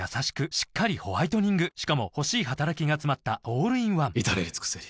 しっかりホワイトニングしかも欲しい働きがつまったオールインワン至れり尽せり